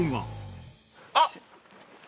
あっ！